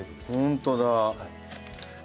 本当だ！